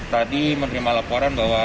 tadi menerima laporan bahwa